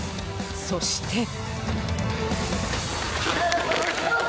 そして。